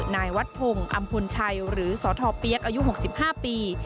นายวัดพงษ์อัมพลชัยหรือสธเปี๊ยกอายุหกสิบห้าปี